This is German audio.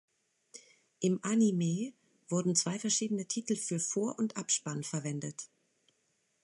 Im Anime wurden zwei verschiedene Titel für Vor- und Abspann verwendet.